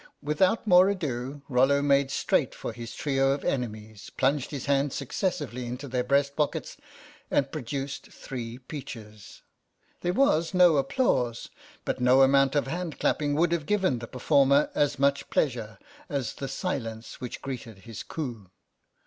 Without more ado Rollo made straight THE STRATEGIST 91 for his trio of enemies, plunged his hand successively into their breast pockets, and produced three peaches. There was no applause, but no amount of hand clapping would have given the performer as much pleasure as the silence which greeted his coup.